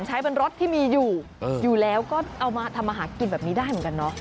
ใช้เป็นรถที่มีอยู่อยู่แล้วก็เอามาทำอาหารกินแบบนี้ได้เหมือนกันเนาะ